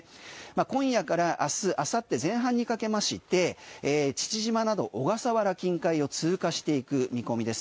今夜から明日、明後日前半にかけまして父島など小笠原近海を通過していく見込みです。